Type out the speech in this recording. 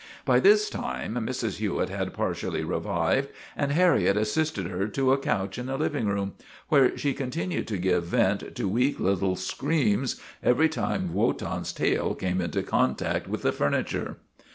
By this time Mrs. Hewitt had partially revived, and Harriet assisted her to a couch in the living room, where she continued to give vent to weak lit tle screams every time Wotan's tail came into con tact with the furniture.